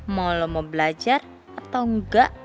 mau lo mau belajar atau enggak